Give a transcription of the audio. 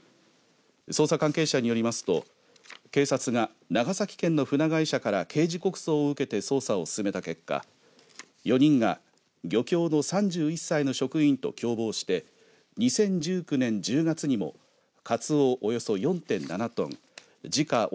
捜査関係者によりますと警察が長崎県の船会社から刑事告訴を受けて捜査を進めた結果４人が漁協の３１歳の職員と共謀して２０１９年１０月にもカツオおよそ４．７トン時価